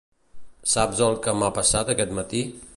Saps el que m'ha passat aquest matí?